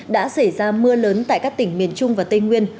đã xảy ra mưa lớn tại các tỉnh miền trung và tây nguyên